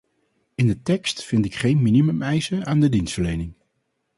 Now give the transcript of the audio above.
In de tekst vind ik geen minimumeisen aan de dienstverlening.